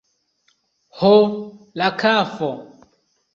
Ho, la kafo!